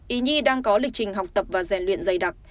ý nhi đang có lịch trình học tập và rèn luyện dày đặc